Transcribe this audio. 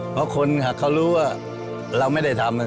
เพราะคนเขารู้ว่าเราไม่ได้ทำ